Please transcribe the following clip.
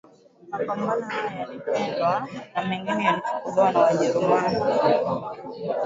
Mapambo hayo yalipendwa na mengine yalichukuliwa na Wajerumani